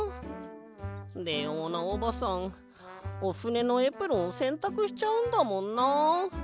レオーナおばさんおふねのエプロンせんたくしちゃうんだもんなあ。